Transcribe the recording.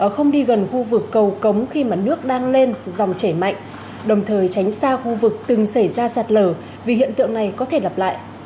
không đi gần khu vực cầu cống khi mà nước đang lên dòng chảy mạnh đồng thời tránh xa khu vực từng xảy ra sạt lở vì hiện tượng này có thể lặp lại